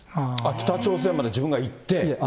北朝鮮まで自分が行って？